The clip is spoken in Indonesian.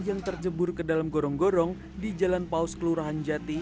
yang terjebur ke dalam gorong gorong di jalan paus kelurahan jati